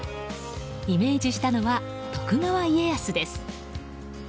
イメージしたのは徳川家康です。